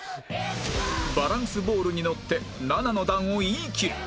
バランスボールに乗って７の段を言いきる